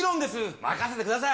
任せてください。